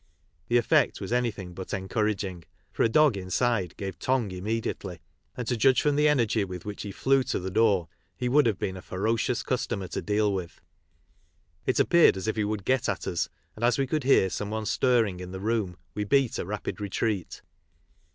The effect was anything but encouraging, for a ^ dog inside gave tongue immediately and to judge from the energy with which he flew to the door he would have been a ferocious customer to deal with. It appeared as if he would get at us, and as we could hear some one stirring in the room we beat a rapid retreat.